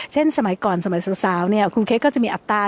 เช่นสมัยก่อนสมัยสาวครูเคสก็จะมีอัตตา